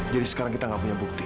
jadi sekarang kita gak punya bukti